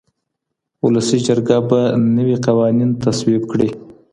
ولسي جرګه به نوي قوانين تصويب کړي.